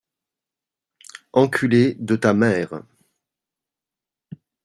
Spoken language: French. Enculé de ta mere